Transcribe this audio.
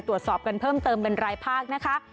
ตรวจสอบกันเพิ่มเติมเป็นรายภาคนะคะ